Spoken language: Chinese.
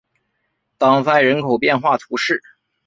当塞人口变化图示